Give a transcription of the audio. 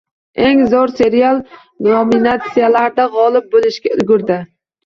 «Eng zur serial» nominatsiyalarida g’olib bo’lishga ulgurdi.